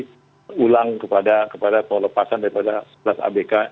jadi ulang kepada pelepasan daripada sebelas abk